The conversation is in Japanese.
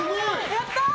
やったー！